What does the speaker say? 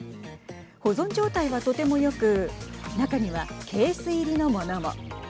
保存状態は、とてもよく中にはケース入りのものも。